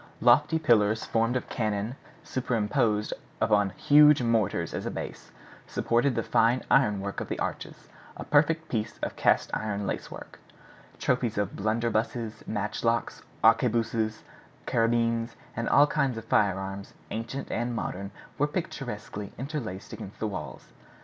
Lofty pillars formed of cannon, superposed upon huge mortars as a base, supported the fine ironwork of the arches, a perfect piece of cast iron lacework. Trophies of blunderbuses, matchlocks, arquebuses, carbines, all kinds of firearms, ancient and modern, were picturesquely interlaced against the walls.